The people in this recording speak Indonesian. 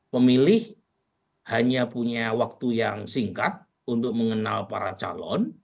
pemilih hanya punya waktu yang singkat untuk mengenal para calon